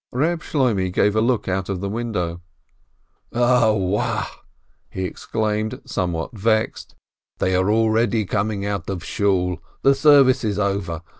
Reb Shloimeh gave a look out of the window. "0 wa !" he exclaimed, somewhat vexed, "they are already coming out of Shool, the service is over